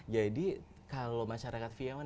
jadi kalau masyarakat vienna kan